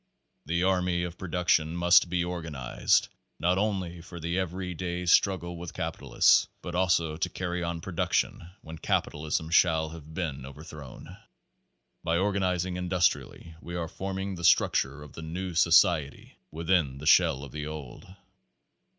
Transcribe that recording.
The army of production must be organized, not only Tor the every day strug gle with capitalists, but also to carry on production when capitalism shall have been overthrown. By organizing industrially we are forming the structure f the new society within the shell of the old.